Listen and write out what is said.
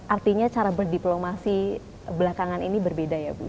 artinya cara berdiplomasi belakangan ini berbeda ya bu